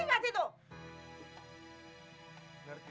tidak ada kata berhenti